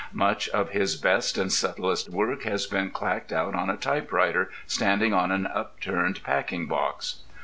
Much of his best and subtlest work has been clacked out on a typewriter standing on an upturned packing box.